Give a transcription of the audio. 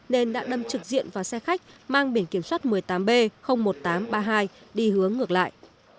nên đã đâm trực diện vào xe khách mang biển kiểm soát một mươi tám b một nghìn tám trăm ba mươi hai đi hướng ngược lại